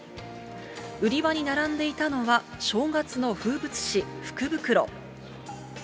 売り場に並んでいたのは正月の風物詩、福袋。